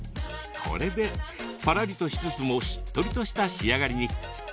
これで、パラリとしつつもしっとりとした仕上がりに。